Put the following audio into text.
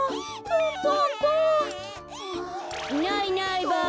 いないいないばあ。